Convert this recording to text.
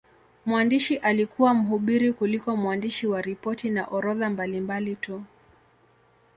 Mwandishi alikuwa mhubiri kuliko mwandishi wa ripoti na orodha mbalimbali tu.